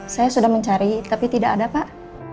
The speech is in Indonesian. saya sudah mencari tapi tidak ada pak